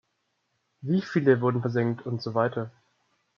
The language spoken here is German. Wieviele wurden versenkt und so weiter?